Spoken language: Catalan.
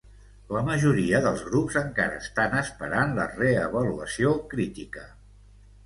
La majoria dels grups encara estan esperant la reavaluació crítica.